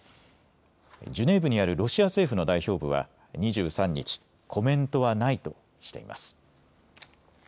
ジュネーブにあるロシア政府の代表部は２３日、コメントはないとしています。